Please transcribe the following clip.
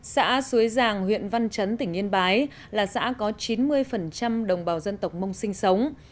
xã suối giàng huyện văn chấn tỉnh yên bái là xã có chín mươi đồng bào dân tộc mông sinh sống